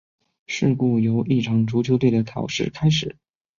故事由一场足球队的考试开始。